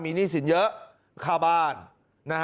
มีหนี้สินเยอะค่าบ้านนะฮะ